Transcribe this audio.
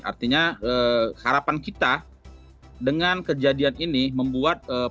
artinya harapan kita dengan kejadian ini membuat